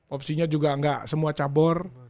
opsinya juga nggak semua cabur